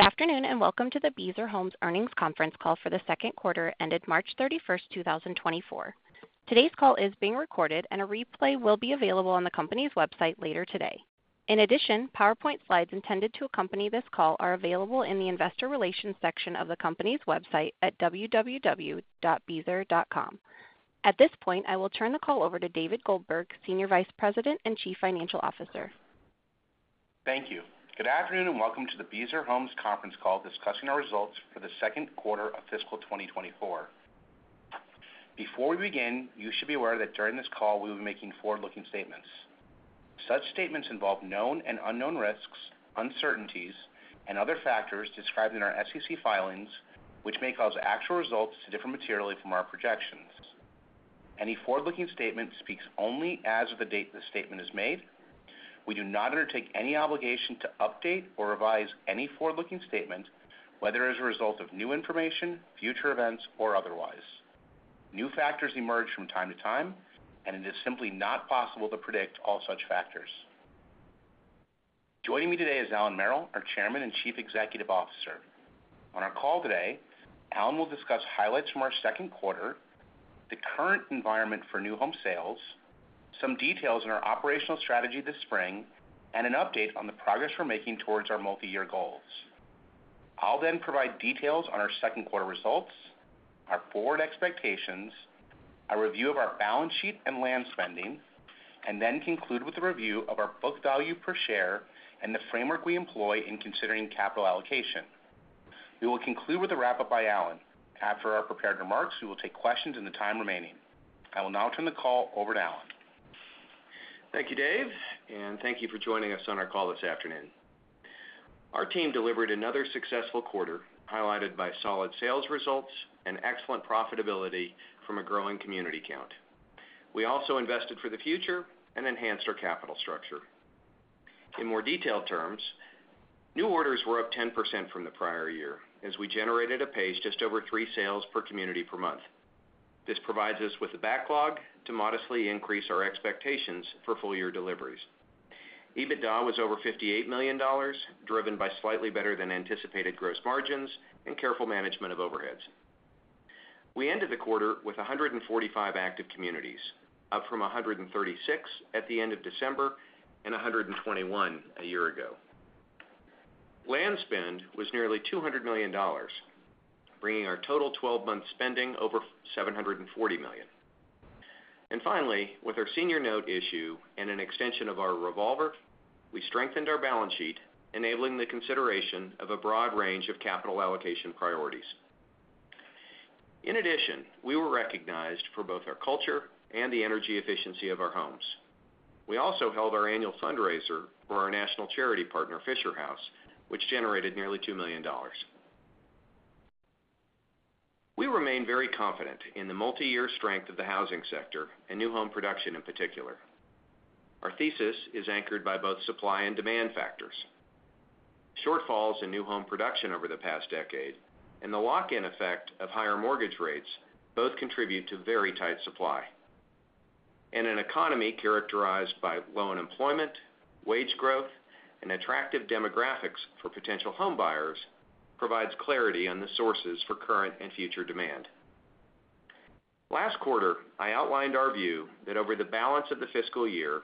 Good afternoon, and welcome to the Beazer Homes Earnings Conference Call for the Second Quarter ended March 31, 2024. Today's call is being recorded, and a replay will be available on the company's website later today. In addition, PowerPoint slides intended to accompany this call are available in the Investor Relations section of the company's website at www.beazer.com. At this point, I will turn the call over to David Goldberg, Senior Vice President and Chief Financial Officer. Thank you. Good afternoon, and welcome to the Beazer Homes conference call discussing our results for the second quarter of fiscal 2024. Before we begin, you should be aware that during this call, we will be making forward-looking statements. Such statements involve known and unknown risks, uncertainties, and other factors described in our SEC filings, which may cause actual results to differ materially from our projections. Any forward-looking statement speaks only as of the date the statement is made. We do not undertake any obligation to update or revise any forward-looking statement, whether as a result of new information, future events, or otherwise. New factors emerge from time to time, and it is simply not possible to predict all such factors. Joining me today is Allan Merrill, our Chairman and Chief Executive Officer. On our call today, Allan will discuss highlights from our second quarter, the current environment for new home sales, some details on our operational strategy this spring, and an update on the progress we're making towards our multi-year goals. I'll then provide details on our second quarter results, our forward expectations, a review of our balance sheet and land spending, and then conclude with a review of our book value per share and the framework we employ in considering capital allocation. We will conclude with a wrap-up by Allan. After our prepared remarks, we will take questions in the time remaining. I will now turn the call over to Allan. Thank you, Dave, and thank you for joining us on our call this afternoon. Our team delivered another successful quarter, highlighted by solid sales results and excellent profitability from a growing community count. We also invested for the future and enhanced our capital structure. In more detailed terms, new orders were up 10% from the prior year, as we generated a pace just over three sales per community per month. This provides us with the backlog to modestly increase our expectations for full-year deliveries. EBITDA was over $58 million, driven by slightly better than anticipated gross margins and careful management of overheads. We ended the quarter with 145 active communities, up from 136 at the end of December and 121 a year ago. Land spend was nearly $200 million, bringing our total 12-month spending over $740 million. Finally, with our senior note issue and an extension of our revolver, we strengthened our balance sheet, enabling the consideration of a broad range of capital allocation priorities. In addition, we were recognized for both our culture and the energy efficiency of our homes. We also held our annual fundraiser for our national charity partner, Fisher House, which generated nearly $2 million. We remain very confident in the multi-year strength of the housing sector and new home production in particular. Our thesis is anchored by both supply and demand factors. Shortfalls in new home production over the past decade and the lock-in effect of higher mortgage rates both contribute to very tight supply. In an economy characterized by low unemployment, wage growth, and attractive demographics for potential homebuyers, provides clarity on the sources for current and future demand. Last quarter, I outlined our view that over the balance of the fiscal year,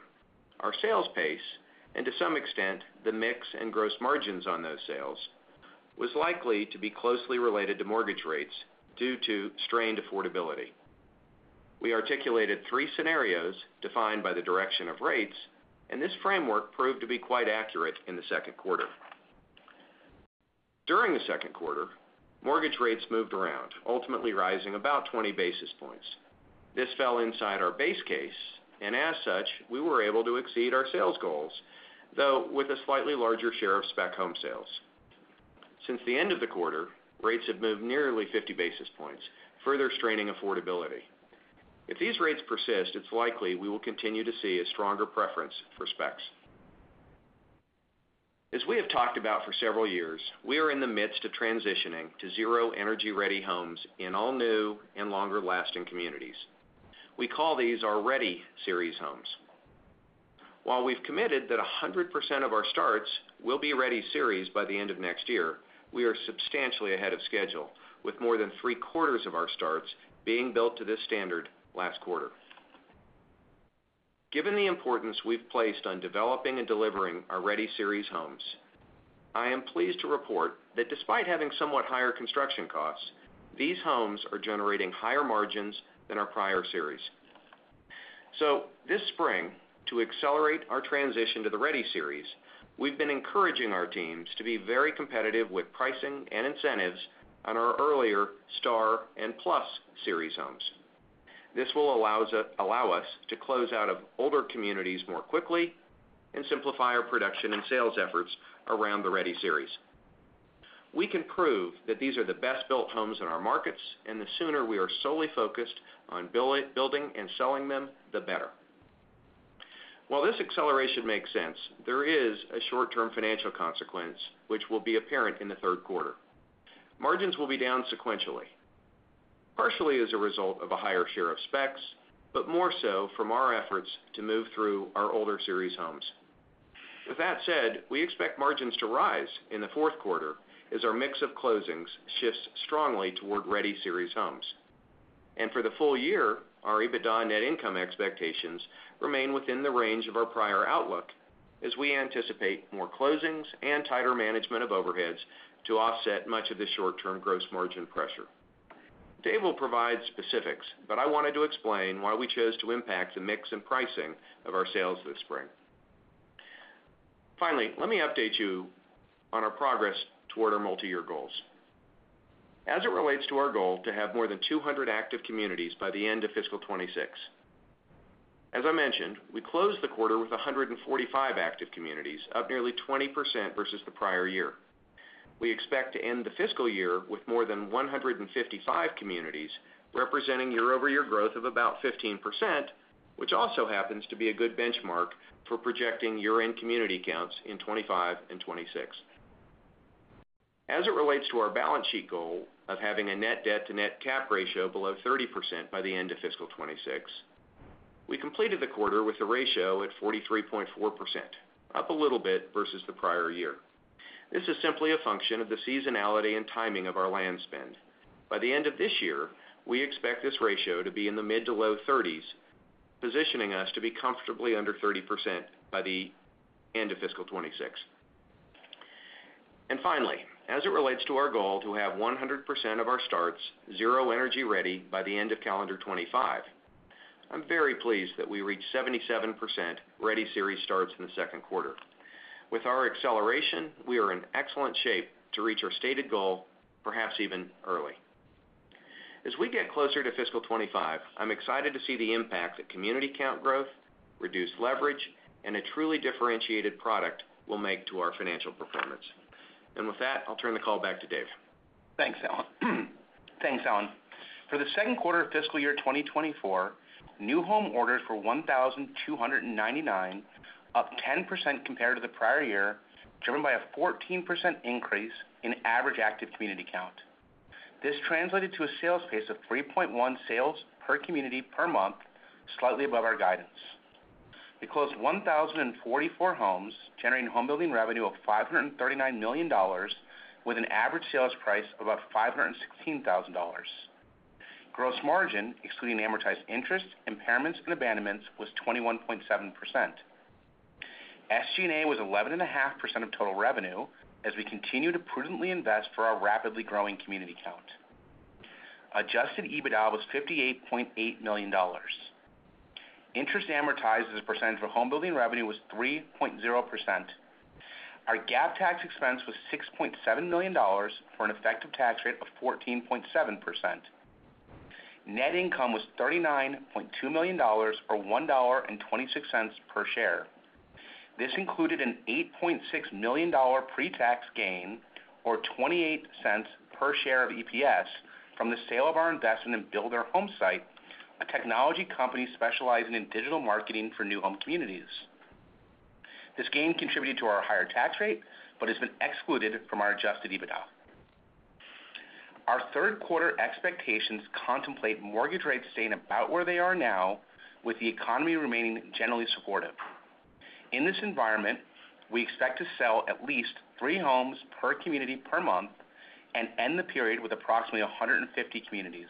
our sales pace, and to some extent, the mix and gross margins on those sales, was likely to be closely related to mortgage rates due to strained affordability. We articulated three scenarios defined by the direction of rates, and this framework proved to be quite accurate in the second quarter. During the second quarter, mortgage rates moved around, ultimately rising about 20 basis points. This fell inside our base case, and as such, we were able to exceed our sales goals, though with a slightly larger share of spec home sales. Since the end of the quarter, rates have moved nearly 50 basis points, further straining affordability. If these rates persist, it's likely we will continue to see a stronger preference for specs. As we have talked about for several years, we are in the midst of transitioning to Zero Energy Ready homes in all new and longer-lasting communities. We call these our Ready Series homes. While we've committed that 100% of our starts will be Ready Series by the end of next year, we are substantially ahead of schedule, with more than three-quarters of our starts being built to this standard last quarter. Given the importance we've placed on developing and delivering our Ready Series homes, I am pleased to report that despite having somewhat higher construction costs, these homes are generating higher margins than our prior series. So this spring, to accelerate our transition to the Ready Series, we've been encouraging our teams to be very competitive with pricing and incentives on our earlier Star and Plus series homes. This will allow us to close out of older communities more quickly and simplify our production and sales efforts around the Ready Series. We can prove that these are the best-built homes in our markets, and the sooner we are solely focused on building and selling them, the better. While this acceleration makes sense, there is a short-term financial consequence, which will be apparent in the third quarter. Margins will be down sequentially, partially as a result of a higher share of specs, but more so from our efforts to move through our older series homes. With that said, we expect margins to rise in the fourth quarter as our mix of closings shifts strongly toward Ready Series homes. For the full year, our EBITDA and net income expectations remain within the range of our prior outlook, as we anticipate more closings and tighter management of overheads to offset much of the short-term gross margin pressure. Dave will provide specifics, but I wanted to explain why we chose to impact the mix and pricing of our sales this spring. Finally, let me update you on our progress toward our multiyear goals. As it relates to our goal to have more than 200 active communities by the end of fiscal 2026, as I mentioned, we closed the quarter with 145 active communities, up nearly 20% versus the prior year. We expect to end the fiscal year with more than 155 communities, representing year-over-year growth of about 15%, which also happens to be a good benchmark for projecting year-end community counts in 2025 and 2026. As it relates to our balance sheet goal of having a net debt to net cap ratio below 30% by the end of fiscal 2026, we completed the quarter with a ratio at 43.4%, up a little bit versus the prior year. This is simply a function of the seasonality and timing of our land spend. By the end of this year, we expect this ratio to be in the mid- to low-30s, positioning us to be comfortably under 30% by the end of fiscal 2026. Finally, as it relates to our goal to have 100% of our starts Zero Energy Ready by the end of calendar 2025, I'm very pleased that we reached 77% Ready Series starts in the second quarter. With our acceleration, we are in excellent shape to reach our stated goal, perhaps even early. As we get closer to fiscal 2025, I'm excited to see the impact that community count growth, reduced leverage, and a truly differentiated product will make to our financial performance. And with that, I'll turn the call back to Dave. Thanks, Allan. Thanks, Allan. For the second quarter of fiscal year 2024, new home orders for 1,299, up 10% compared to the prior year, driven by a 14% increase in average active community count. This translated to a sales pace of 3.1 sales per community per month, slightly above our guidance. We closed 1,044 homes, generating home building revenue of $539 million, with an average sales price of about $516,000. Gross margin, excluding amortized interest, impairments, and abandonments, was 21.7%. SG&A was 11.5% of total revenue, as we continue to prudently invest for our rapidly growing community count. Adjusted EBITDA was $58.8 million. Interest amortized as a percentage of home building revenue was 3.0%. Our GAAP tax expense was $6.7 million, for an effective tax rate of 14.7%. Net income was $39.2 million, or $1.26 per share. This included an $8.6 million pre-tax gain, or $0.28 per share of EPS, from the sale of our investment in Builder Homesite, a technology company specializing in digital marketing for new home communities. This gain contributed to our higher tax rate, but has been excluded from our adjusted EBITDA. Our third quarter expectations contemplate mortgage rates staying about where they are now, with the economy remaining generally supportive. In this environment, we expect to sell at least three homes per community per month and end the period with approximately 150 communities.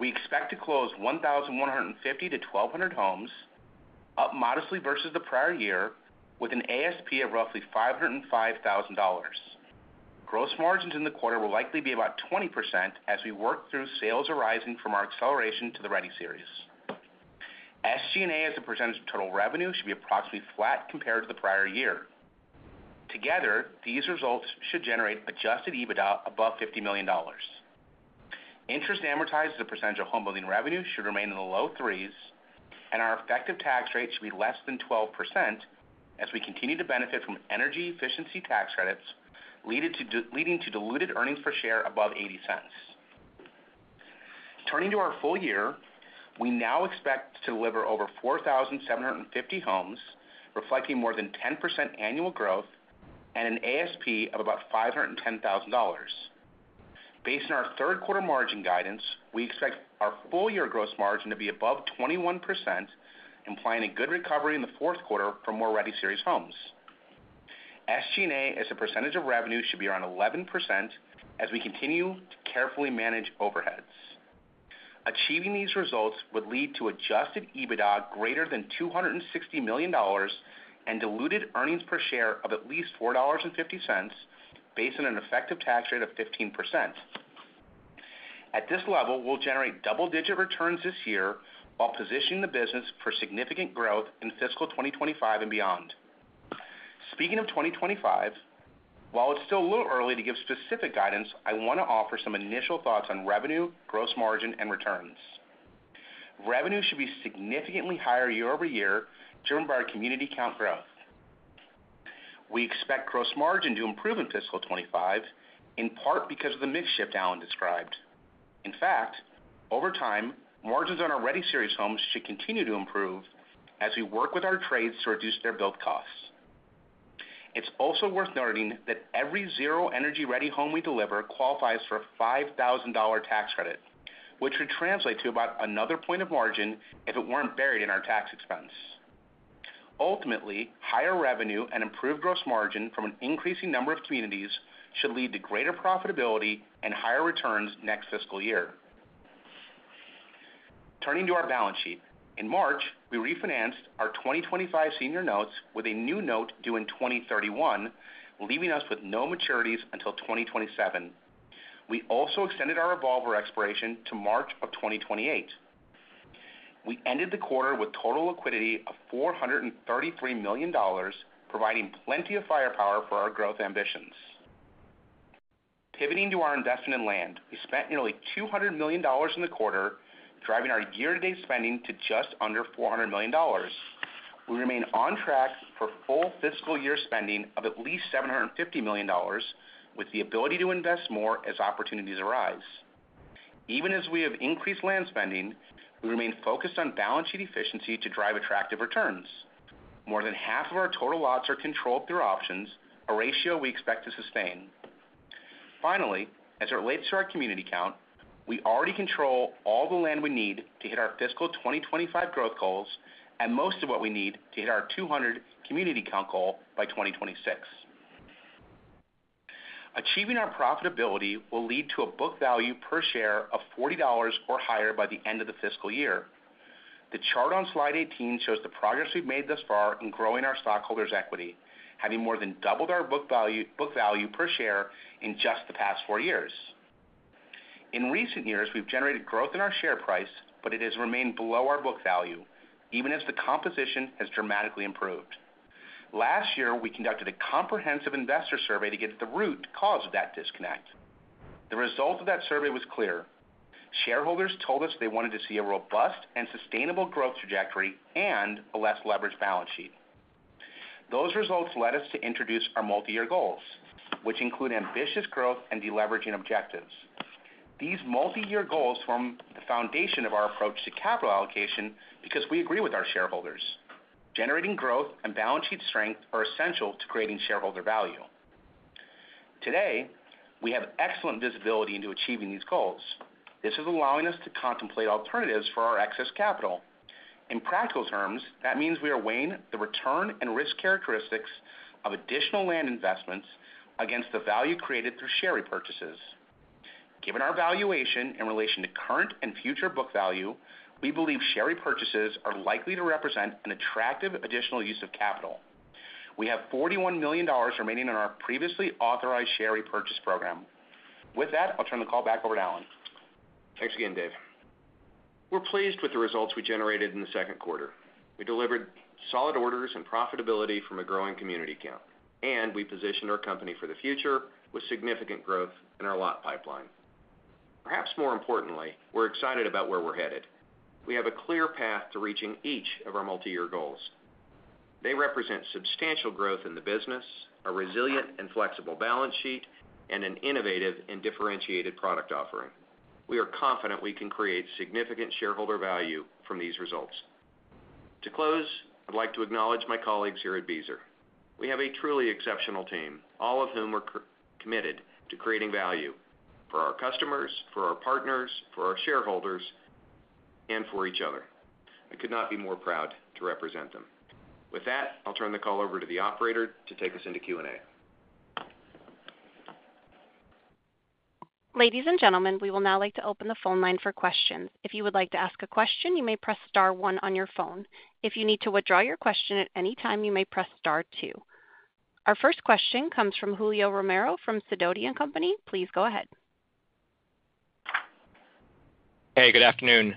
We expect to close 1,150-1,200 homes, up modestly versus the prior year, with an ASP of roughly $505,000. Gross margins in the quarter will likely be about 20% as we work through sales arising from our acceleration to the Ready Series. SG&A, as a percentage of total revenue, should be approximately flat compared to the prior year. Together, these results should generate adjusted EBITDA above $50 million. Interest amortized as a percentage of home building revenue should remain in the low 3s, and our effective tax rate should be less than 12% as we continue to benefit from energy efficiency tax credits, leading to diluted earnings per share above $0.80. Turning to our full year, we now expect to deliver over 4,750 homes, reflecting more than 10% annual growth and an ASP of about $510,000. Based on our third quarter margin guidance, we expect our full-year gross margin to be above 21%, implying a good recovery in the fourth quarter for more Ready Series homes. SG&A, as a percentage of revenue, should be around 11% as we continue to carefully manage overheads. Achieving these results would lead to Adjusted EBITDA greater than $260 million and diluted earnings per share of at least $4.50, based on an effective tax rate of 15%. At this level, we'll generate double-digit returns this year, while positioning the business for significant growth in fiscal 2025 and beyond. Speaking of 2025, while it's still a little early to give specific guidance, I want to offer some initial thoughts on revenue, gross margin, and returns. Revenue should be significantly higher year-over-year, driven by our community count growth. We expect gross margin to improve in fiscal 2025, in part because of the mix shift Allan described. In fact, over time, margins on our Ready Series homes should continue to improve as we work with our trades to reduce their build costs. It's also worth noting that every Zero Energy Ready home we deliver qualifies for a $5,000 tax credit, which would translate to about another point of margin if it weren't buried in our tax expense. Ultimately, higher revenue and improved gross margin from an increasing number of communities should lead to greater profitability and higher returns next fiscal year. Turning to our balance sheet. In March, we refinanced our 2025 senior notes with a new note due in 2031, leaving us with no maturities until 2027. We also extended our revolver expiration to March of 2028. We ended the quarter with total liquidity of $433 million, providing plenty of firepower for our growth ambitions. Pivoting to our investment in land, we spent nearly $200 million in the quarter, driving our year-to-date spending to just under $400 million. We remain on track for full fiscal year spending of at least $750 million, with the ability to invest more as opportunities arise. Even as we have increased land spending, we remain focused on balance sheet efficiency to drive attractive returns. More than half of our total lots are controlled through options, a ratio we expect to sustain. Finally, as it relates to our community count, we already control all the land we need to hit our fiscal 2025 growth goals and most of what we need to hit our 200 community count goal by 2026. Achieving our profitability will lead to a book value per share of $40 or higher by the end of the fiscal year. The chart on slide 18 shows the progress we've made thus far in growing our stockholders' equity, having more than doubled our book value, book value per share in just the past four years. In recent years, we've generated growth in our share price, but it has remained below our book value, even as the composition has dramatically improved. Last year, we conducted a comprehensive investor survey to get at the root cause of that disconnect. The result of that survey was clear. Shareholders told us they wanted to see a robust and sustainable growth trajectory and a less leveraged balance sheet. Those results led us to introduce our multiyear goals, which include ambitious growth and deleveraging objectives. These multiyear goals form the foundation of our approach to capital allocation because we agree with our shareholders. Generating growth and balance sheet strength are essential to creating shareholder value. Today, we have excellent visibility into achieving these goals. This is allowing us to contemplate alternatives for our excess capital. In practical terms, that means we are weighing the return and risk characteristics of additional land investments against the value created through share repurchases. Given our valuation in relation to current and future book value, we believe share repurchases are likely to represent an attractive additional use of capital. We have $41 million remaining in our previously authorized share repurchase program. With that, I'll turn the call back over to Allan. Thanks again, Dave. We're pleased with the results we generated in the second quarter. We delivered solid orders and profitability from a growing community count, and we positioned our company for the future with significant growth in our lot pipeline. Perhaps more importantly, we're excited about where we're headed. We have a clear path to reaching each of our multiyear goals. They represent substantial growth in the business, a resilient and flexible balance sheet, and an innovative and differentiated product offering. We are confident we can create significant shareholder value from these results. To close, I'd like to acknowledge my colleagues here at Beazer. We have a truly exceptional team, all of whom are committed to creating value for our customers, for our partners, for our shareholders, and for each other. I could not be more proud to represent them. With that, I'll turn the call over to the operator to take us into Q&A. Ladies and gentlemen, we would now like to open the phone line for questions. If you would like to ask a question, you may press star one on your phone. If you need to withdraw your question at any time, you may press star two. Our first question comes from Julio Romero from Sidoti & Company. Please go ahead. Hey, good afternoon.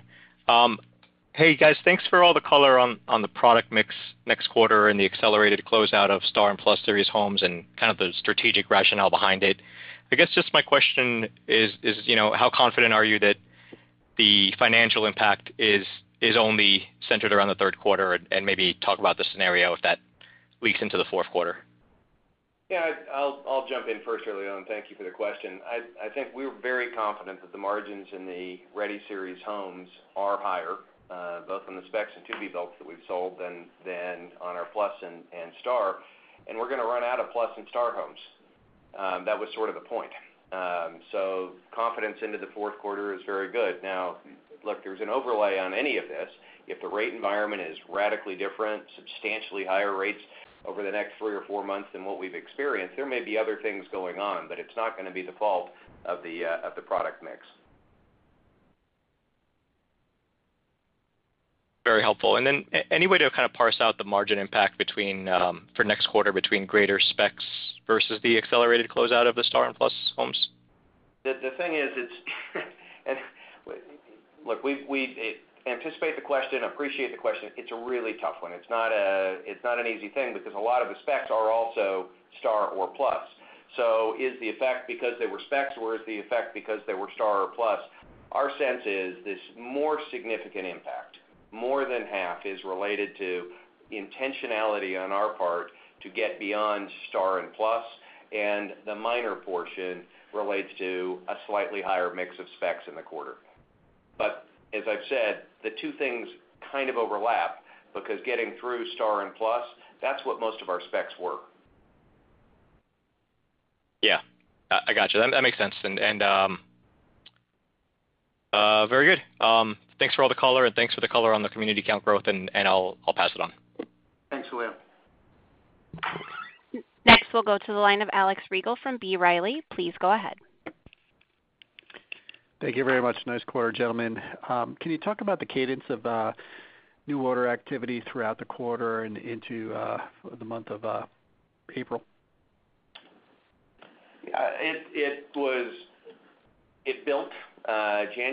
Hey, guys, thanks for all the color on the product mix next quarter and the accelerated closeout of Star series homes and Plus series homes and kind of the strategic rationale behind it. I guess just my question is, you know, how confident are you that the financial impact is only centered around the third quarter? And maybe talk about the scenario if that leaks into the fourth quarter. Yeah, I'll jump in first, Julio, and thank you for the question. I think we're very confident that the margins in the Ready Series homes are higher both on the specs and to-be builds that we've sold than on our Plus and Star, and we're gonna run out of Plus and Star homes. That was sort of the point. So confidence into the fourth quarter is very good. Now, look, there's an overlay on any of this. If the rate environment is radically different, substantially higher rates over the next three or four months than what we've experienced, there may be other things going on, but it's not gonna be the fault of the product mix. Very helpful. And then any way to kind of parse out the margin impact between, for next quarter, between greater specs versus the accelerated closeout of the Star and Plus homes? The thing is, it's. Look, we anticipate the question, appreciate the question. It's a really tough one. It's not an easy thing because a lot of the specs are also Star or Plus. So is the effect because they were specs, or is the effect because they were Star or Plus? Our sense is this more significant impact, more than half, is related to intentionality on our part to get beyond Star and Plus, and the minor portion relates to a slightly higher mix of specs in the quarter. But as I've said, the two things kind of overlap because getting through Star and Plus, that's what most of our specs were. Yeah. I got you. That makes sense. Very good. Thanks for all the color, and thanks for the color on the community count growth, and I'll pass it on. Thanks, Julio. Next, we'll go to the line of Alex Rygiel from B. Riley. Please go ahead. Thank you very much. Nice quarter, gentlemen. Can you talk about the cadence of new order activity throughout the quarter and into the month of April?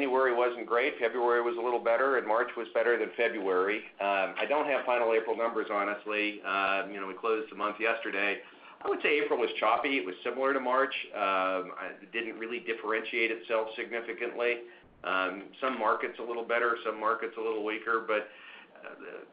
January wasn't great. February was a little better, and March was better than February. I don't have final April numbers, honestly. You know, we closed the month yesterday. I would say April was choppy. It was similar to March. It didn't really differentiate itself significantly. Some markets a little better, some markets a little weaker, but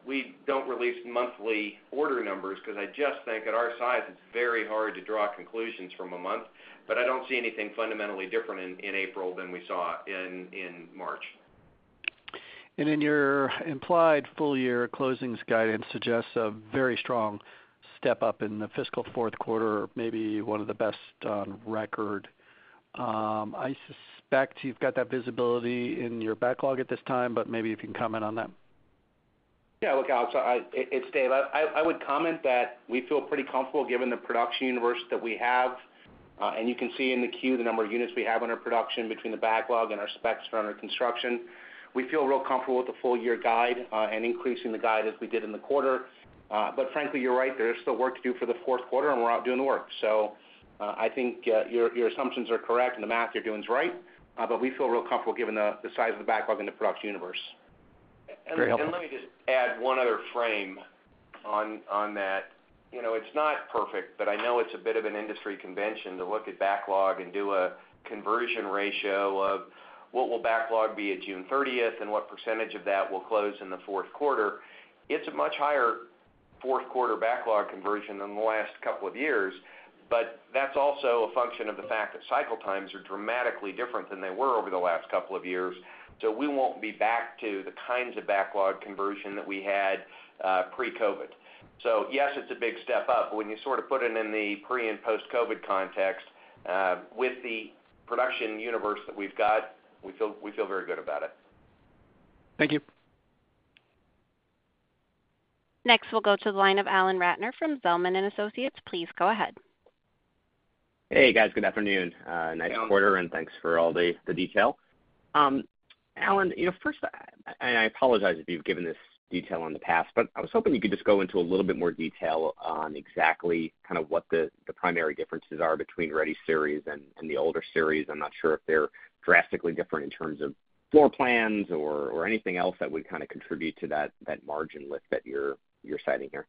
we don't release monthly order numbers because I just think at our size, it's very hard to draw conclusions from a month. But I don't see anything fundamentally different in April than we saw in March. Your implied full-year closings guidance suggests a very strong step-up in the fiscal fourth quarter, maybe one of the best on record. I suspect you've got that visibility in your backlog at this time, but maybe you can comment on that. Yeah, look, Alex, it's Dave. I would comment that we feel pretty comfortable given the production universe that we have, and you can see in the Q the number of units we have under production between the backlog and our specs that are under construction. We feel real comfortable with the full-year guide, and increasing the guide as we did in the quarter. But frankly, you're right, there is still work to do for the fourth quarter, and we're out doing the work. So, I think your assumptions are correct, and the math you're doing is right, but we feel real comfortable given the size of the backlog and the production universe. Great. And let me just add one other frame on, on that. You know, it's not perfect, but I know it's a bit of an industry convention to look at backlog and do a conversion ratio of what will backlog be at June 30th and what percentage of that will close in the fourth quarter. It's a much higher fourth quarter backlog conversion than the last couple of years, but that's also a function of the fact that cycle times are dramatically different than they were over the last couple of years. So we won't be back to the kinds of backlog conversion that we had pre-COVID. So yes, it's a big step up, but when you sort of put it in the pre- and post-COVID context with the production universe that we've got, we feel, we feel very good about it. Thank you. Next, we'll go to the line of Alan Ratner from Zelman & Associates. Please go ahead. Hey, guys. Good afternoon. Alan. Nice quarter, and thanks for all the detail. Allan, you know, first, and I apologize if you've given this detail in the past, but I was hoping you could just go into a little bit more detail on exactly kind of what the primary differences are between Ready Series and the older series. I'm not sure if they're drastically different in terms of floor plans or anything else that would kind of contribute to that margin lift that you're citing here.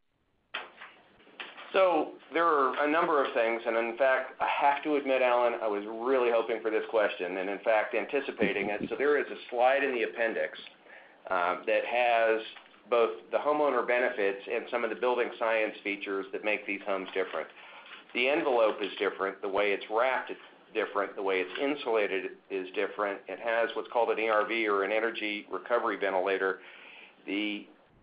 So there are a number of things, and in fact, I have to admit, Alan, I was really hoping for this question, and in fact, anticipating it. So there is a slide in the appendix that has both the homeowner benefits and some of the building science features that make these homes different. The envelope is different. The way it's wrapped is different. The way it's insulated is different. It has what's called an ERV or an energy recovery ventilator.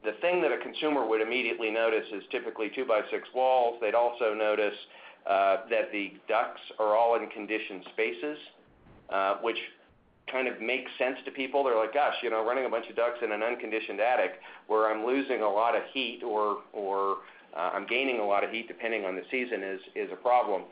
The thing that a consumer would immediately notice is typically two-by-six walls. They'd also notice that the ducts are all in conditioned spaces, which kind of makes sense to people. They're like, "Gosh, you know, running a bunch of ducts in an unconditioned attic, where I'm losing a lot of heat or I'm gaining a lot of heat, depending on the season, is a problem."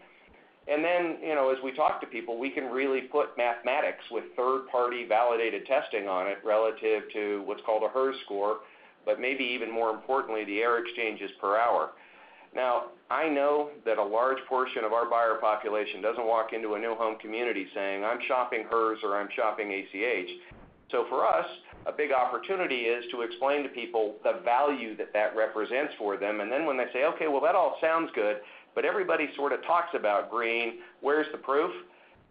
And then, you know, as we talk to people, we can really put mathematics with third-party validated testing on it relative to what's called a HERS score, but maybe even more importantly, the air exchanges per hour. Now, I know that a large portion of our buyer population doesn't walk into a new home community saying, "I'm shopping HERS," or, "I'm shopping ACH." So for us, a big opportunity is to explain to people the value that that represents for them, and then when they say, "Okay, well, that all sounds good, but everybody sort of talks about green. Where's the proof?"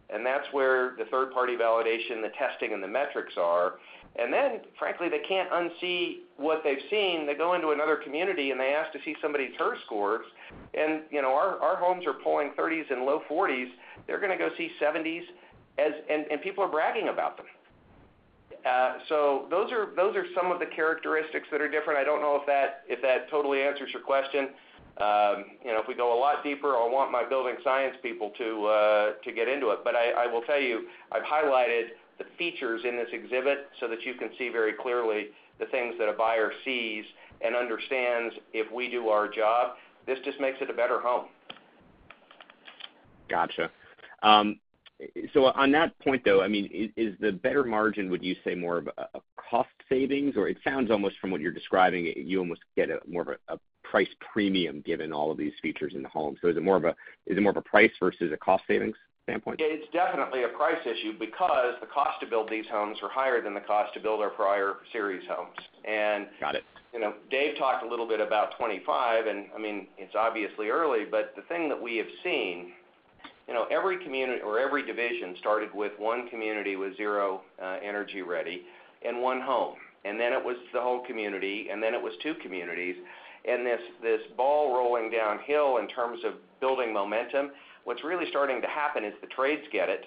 That's where the third-party validation, the testing, and the metrics are. Then, frankly, they can't unsee what they've seen. They go into another community, and they ask to see somebody's HERS scores, and, you know, our homes are pulling 30s and low 40s. They're gonna go see 70s as... and people are bragging about them. So those are, those are some of the characteristics that are different. I don't know if that totally answers your question. You know, if we go a lot deeper, I'll want my building science people to, to get into it. But I will tell you, I've highlighted the features in this exhibit so that you can see very clearly the things that a buyer sees and understands if we do our job. This just makes it a better home. Gotcha. So on that point, though, I mean, is, is the better margin, would you say, more of a, a cost savings, or it sounds almost from what you're describing, you almost get a more of a, a price premium given all of these features in the home. So is it more of a- is it more of a price versus a cost savings standpoint? It's definitely a price issue because the cost to build these homes are higher than the cost to build our prior series homes. And. Got it. You know, Dave talked a little bit about 25, and, I mean, it's obviously early, but the thing that we have seen, you know, every community or every division started with one community with zero Energy Ready and one home, and then it was the whole community, and then it was two communities, and this, this ball rolling downhill in terms of building momentum. What's really starting to happen is the trades get it.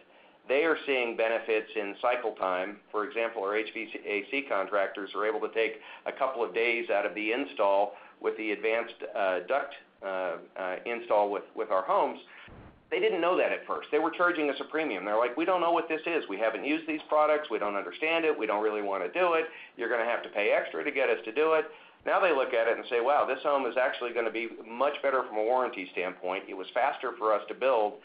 They are seeing benefits in cycle time. For example, our HVAC contractors are able to take a couple of days out of the install with the advanced duct install with our homes. They didn't know that at first. They were charging us a premium. They're like: We don't know what this is. We haven't used these products. We don't understand it. We don't really want to do it. You're gonna have to pay extra to get us to do it. Now, they look at it and say, "Wow, this home is actually gonna be much better from a warranty standpoint. It was faster for us to build.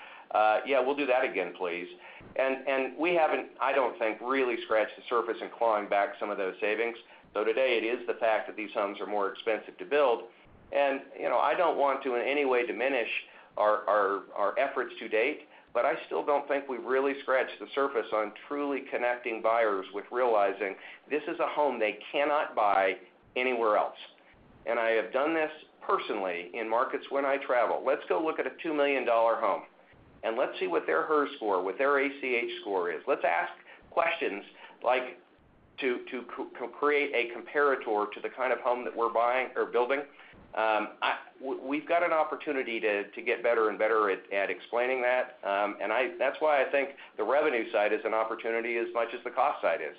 Yeah, we'll do that again, please." And we haven't, I don't think, really scratched the surface and clawing back some of those savings, though today it is the fact that these homes are more expensive to build. And, you know, I don't want to, in any way, diminish our efforts to date, but I still don't think we've really scratched the surface on truly connecting buyers with realizing this is a home they cannot buy anywhere else. And I have done this personally in markets when I travel. Let's go look at a $2 million home, and let's see what their HERS score, what their ACH score is. Let's ask questions like, to co-create a comparator to the kind of home that we're buying or building. We've got an opportunity to get better and better at explaining that. That's why I think the revenue side is an opportunity as much as the cost side is.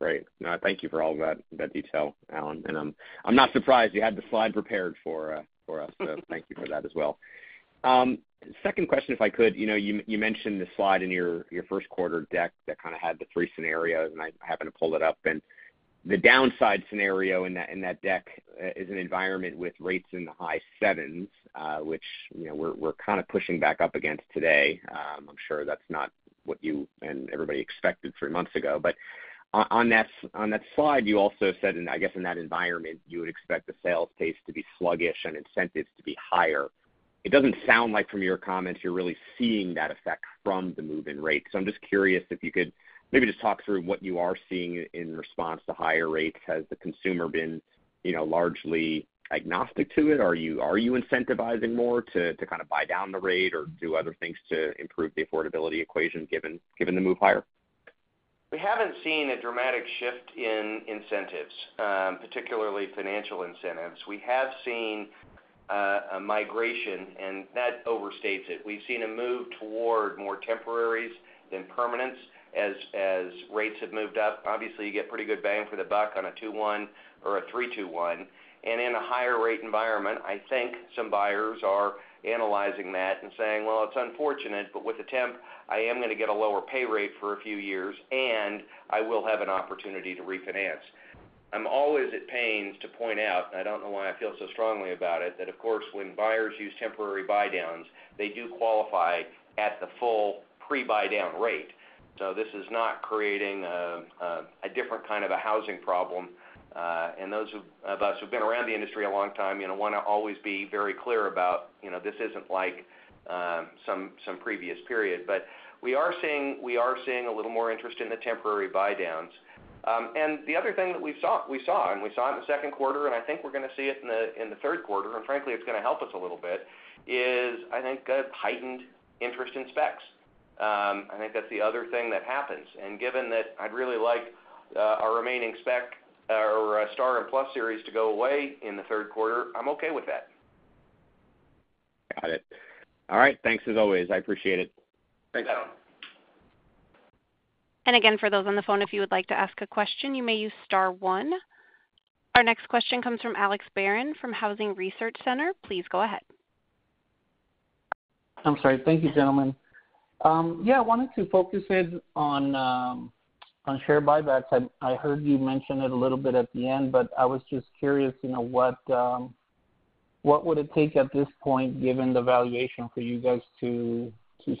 Great. No, thank you for all that, that detail, Allan. And I'm not surprised you had the slide prepared for us, so thank you for that as well. Second question, if I could. You know, you mentioned the slide in your first quarter deck that kind of had the three scenarios, and I happened to pull it up. And the downside scenario in that deck is an environment with rates in the high sevens, which, you know, we're kind of pushing back up against today. I'm sure that's not what you and everybody expected three months ago. But on that slide, you also said, and I guess in that environment, you would expect the sales pace to be sluggish and incentives to be higher. It doesn't sound like from your comments, you're really seeing that effect from the move-in rates. So I'm just curious if you could maybe just talk through what you are seeing in response to higher rates. Has the consumer been, you know, largely agnostic to it? Are you, are you incentivizing more to, to kind of buy down the rate or do other things to improve the affordability equation, given, given the move higher? We haven't seen a dramatic shift in incentives, particularly financial incentives. We have seen a migration, and that overstates it. We've seen a move toward more temporaries than permanents as rates have moved up. Obviously, you get pretty good bang for the buck on a 2-1 or a 3-2-1. And in a higher rate environment, I think some buyers are analyzing that and saying: Well, it's unfortunate, but with a temp, I am gonna get a lower pay rate for a few years, and I will have an opportunity to refinance. I'm always at pains to point out, and I don't know why I feel so strongly about it, that, of course, when buyers use temporary buydowns, they do qualify at the full pre-buydown rate. So this is not creating a different kind of a housing problem. And those of us who've been around the industry a long time, you know, wanna always be very clear about, you know, this isn't like some previous period. But we are seeing a little more interest in the temporary buydowns. And the other thing that we saw in the second quarter, and I think we're gonna see it in the third quarter, and frankly, it's gonna help us a little bit, is, I think, a heightened interest in specs. I think that's the other thing that happens. And given that I'd really like our remaining spec, or our Star and Plus series to go away in the third quarter, I'm okay with that. Got it. All right, thanks as always. I appreciate it. Thanks, Alan. And again, for those on the phone, if you would like to ask a question, you may use star one. Our next question comes from Alex Barron, from Housing Research Center. Please go ahead. I'm sorry. Thank you, gentlemen. Yeah, I wanted to focus it on share buybacks. I heard you mention it a little bit at the end, but I was just curious, you know, what would it take at this point, given the valuation, for you guys to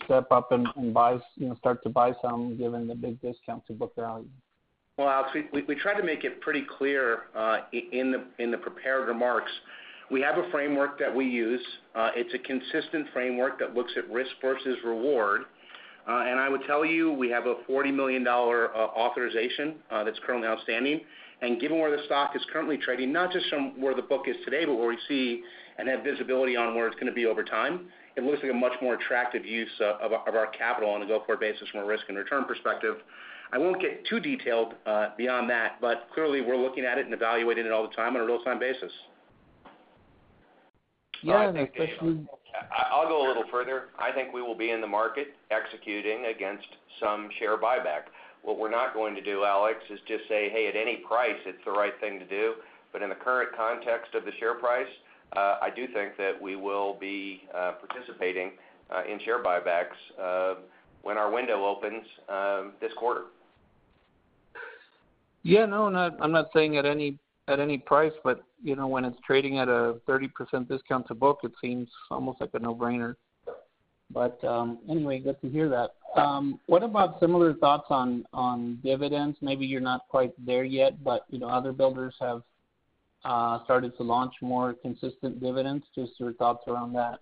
step up and buy, you know, start to buy some, given the big discount to book value? Well, Alex, we tried to make it pretty clear in the prepared remarks. We have a framework that we use. It's a consistent framework that looks at risk versus reward. And I would tell you, we have a $40 million authorization that's currently outstanding. And given where the stock is currently trading, not just from where the book is today, but where we see and have visibility on where it's gonna be over time, it looks like a much more attractive use of our capital on a go-forward basis from a risk and return perspective. I won't get too detailed beyond that, but clearly, we're looking at it and evaluating it all the time on a real-time basis. Yeah, I think that's. I'll go a little further. I think we will be in the market executing against some share buyback. What we're not going to do, Alex, is just say, "Hey, at any price, it's the right thing to do." But in the current context of the share price, I do think that we will be participating in share buybacks when our window opens this quarter. Yeah, no. I'm not saying at any, at any price, but, you know, when it's trading at a 30% discount to book, it seems almost like a no-brainer. But, anyway, good to hear that. What about similar thoughts on dividends? Maybe you're not quite there yet, but, you know, other builders have started to launch more consistent dividends. Just your thoughts around that.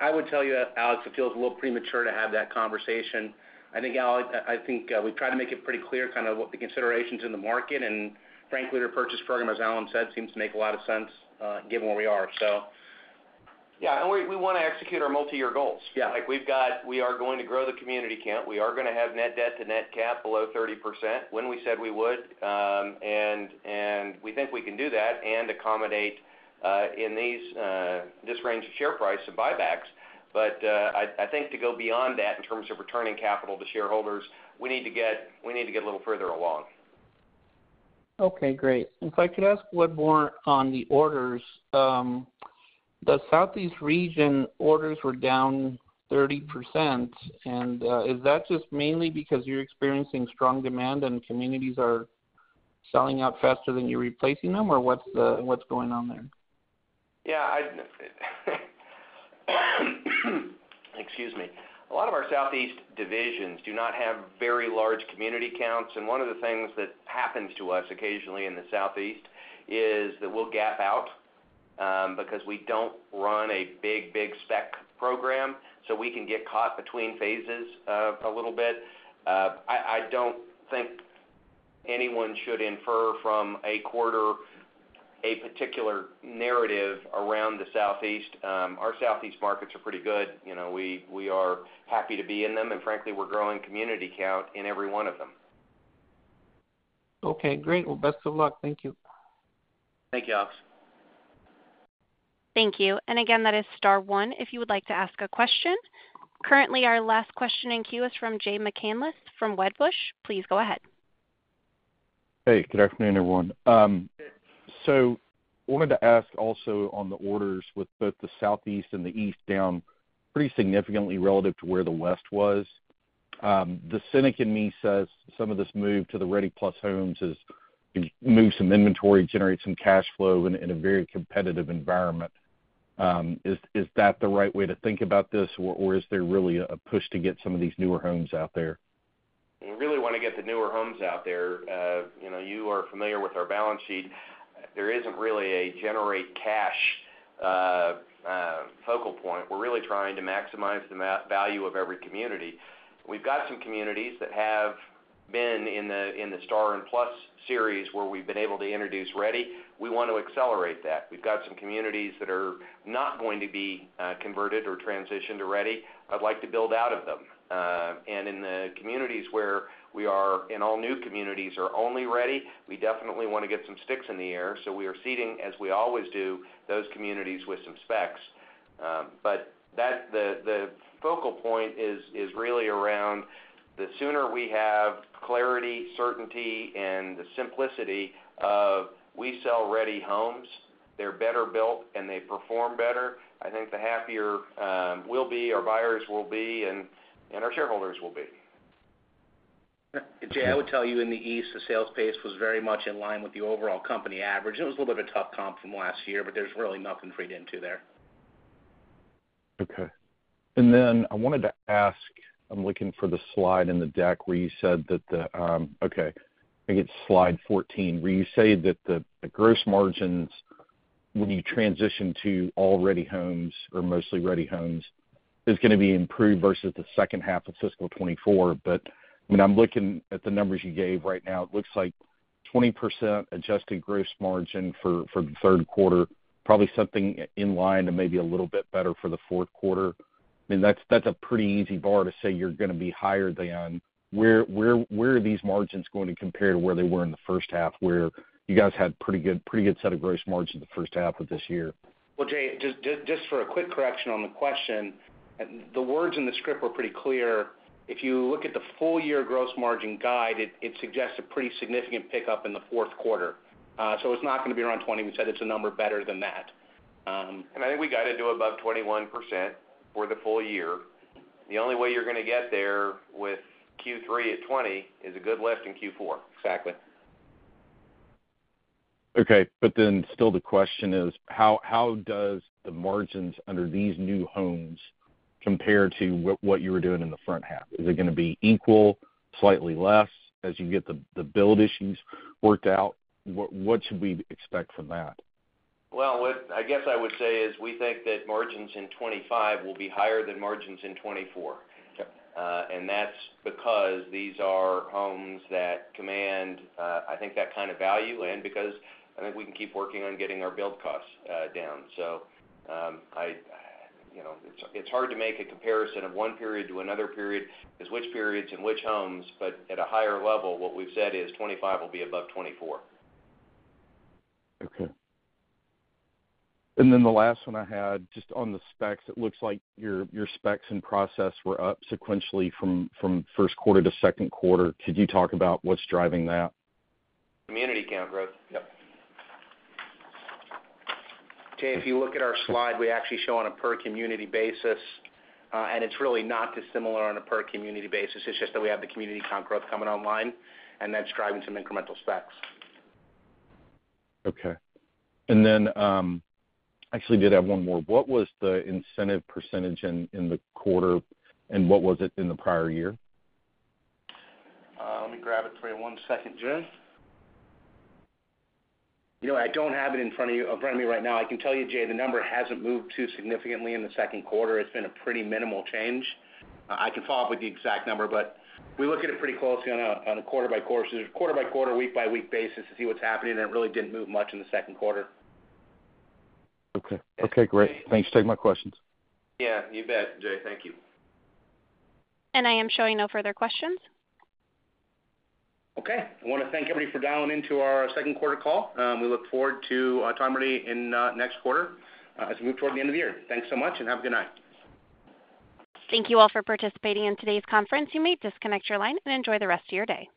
I would tell you, Alex, it feels a little premature to have that conversation. I think, Alex, I think we've tried to make it pretty clear kind of what the considerations in the market, and frankly, the repurchase program, as Allan said, seems to make a lot of sense, given where we are, so. Yeah, and we wanna execute our multi-year goals. Like we've got we are going to grow the community count. We are gonna have net debt to net cap below 30% when we said we would, and we think we can do that and accommodate in this range of share price and buybacks. But, I think to go beyond that in terms of returning capital to shareholders, we need to get a little further along. Okay, great. If I could ask what more on the orders, the Southeast region orders were down 30%, and, is that just mainly because you're experiencing strong demand and communities are selling out faster than you're replacing them, or what's going on there? Yeah, excuse me. A lot of our Southeast divisions do not have very large community counts, and one of the things that happens to us occasionally in the Southeast is that we'll gap out, because we don't run a big, big spec program, so we can get caught between phases, a little bit. I don't think anyone should infer from a quarter a particular narrative around the Southeast. Our Southeast markets are pretty good. You know, we are happy to be in them, and frankly, we're growing community count in every one of them. Okay, great. Well, best of luck. Thank you. Thank you, Alex. Thank you. And again, that is star one, if you would like to ask a question. Currently, our last question in queue is from Jay McCanless from Wedbush. Please go ahead. Hey, good afternoon, everyone. So wanted to ask also on the orders with both the Southeast and the East down pretty significantly relative to where the West was. The cynic in me says some of this move to the Ready Plus homes is move some inventory, generate some cash flow in a very competitive environment. Is that the right way to think about this, or is there really a push to get some of these newer homes out there? We really want to get the newer homes out there. You know, you are familiar with our balance sheet. There isn't really a generate cash focal point. We're really trying to maximize the value of every community. We've got some communities that have been in the Star and Plus series, where we've been able to introduce Ready. We want to accelerate that. We've got some communities that are not going to be converted or transitioned to Ready. I'd like to build out of them. And in the communities where we are, in all new communities, are only Ready, we definitely want to get some sticks in the air, so we are seeding, as we always do, those communities with some specs. But that, the focal point is really around the sooner we have clarity, certainty, and the simplicity of we sell Ready homes, they're better built and they perform better, I think the happier we'll be, our buyers will be, and our shareholders will be. Jay, I would tell you in the East, the sales pace was very much in line with the overall company average. It was a little bit of a tough comp from last year, but there's really nothing to read into there. Okay. And then I wanted to ask, I'm looking for the slide in the deck where you said that the, okay, I think it's slide 14, where you say that the, the gross margins, when you transition to all Ready homes or mostly Ready homes, is gonna be improved versus the second half of fiscal 2024. But, I mean, I'm looking at the numbers you gave right now. It looks like 20% adjusted gross margin for the third quarter, probably something in line and maybe a little bit better for the fourth quarter. I mean, that's a pretty easy bar to say you're gonna be higher than. Where are these margins going to compare to where they were in the first half, where you guys had pretty good set of gross margin the first half of this year? Well, Jay, just for a quick correction on the question, the words in the script were pretty clear. If you look at the full year gross margin guide, it suggests a pretty significant pickup in the fourth quarter. So it's not gonna be around 20. We said it's a number better than that. I think we guided to above 21% for the full year. The only way you're gonna get there with Q3 at 20% is a good lift in Q4. Exactly. Okay, but then still the question is: how does the margins under these new homes compare to what you were doing in the front half? Is it gonna be equal, slightly less, as you get the build issues worked out, what should we expect from that? Well, what I guess I would say is, we think that margins in 2025 will be higher than margins in 2024. And that's because these are homes that command, I think, that kind of value, and because I think we can keep working on getting our build costs down. So, you know, it's hard to make a comparison of one period to another period, is which periods and which homes, but at a higher level, what we've said is 25 will be above 24. Okay. And then the last one I had, just on the specs, it looks like your specs and progress were up sequentially from first quarter to second quarter. Could you talk about what's driving that? Community count growth. Yep. Jay, if you look at our slide, we actually show on a per community basis, and it's really not dissimilar on a per community basis. It's just that we have the community count growth coming online, and that's driving some incremental specs. Okay. And then, I actually did have one more. What was the incentive percentage in the quarter, and what was it in the prior year? Let me grab it for you. One second, Jay. You know what? I don't have it in front of you, in front of me right now. I can tell you, Jay, the number hasn't moved too significantly in the second quarter. It's been a pretty minimal change. I can follow up with the exact number, but we look at it pretty closely on a quarter-by-quarter, week-by-week basis to see what's happening, and it really didn't move much in the second quarter. Okay. Okay, great. Thanks. Take my questions. Yeah, you bet, Jay. Thank you. I am showing no further questions. Okay. I want to thank everybody for dialing into our second quarter call. We look forward to talking with you in next quarter, as we move toward the end of the year. Thanks so much and have a good night. Thank you all for participating in today's conference. You may disconnect your line and enjoy the rest of your day.